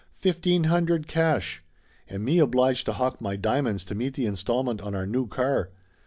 Fifteen hundred, cash! And me obliged to hock my diamonds to meet the installment on our ne\v car!